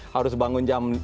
harus bangun jam